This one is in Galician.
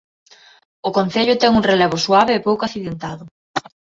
O concello ten un relevo suave e pouco accidentado.